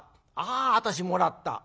あ私もらった。